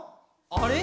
あれ？